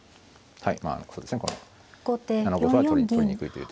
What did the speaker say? はい。